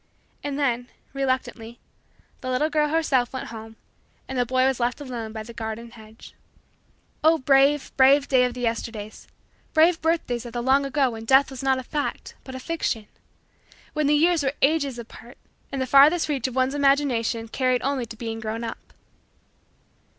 And then, reluctantly, the little girl herself went home and the boy was left alone by the garden hedge. Oh, brave, brave, day of the Yesterdays! Brave birthdays of the long ago when Death was not a fact but a fiction! When the years were ages apart, and the farthest reach of one's imagination carried only to being grown up!